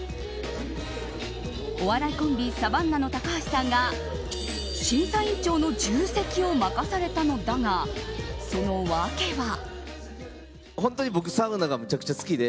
お笑いコンビ・サバンナの高橋さんが審査員長の重責を任されたのだがその訳は。